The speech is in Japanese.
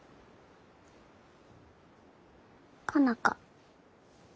佳奈花。